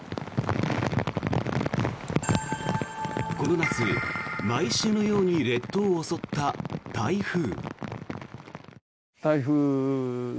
この夏毎週のように列島を襲った台風。